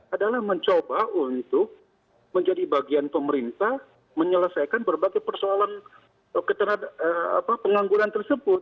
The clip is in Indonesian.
adalah mencoba untuk menjadi bagian pemerintah menyelesaikan berbagai persoalan pengangguran tersebut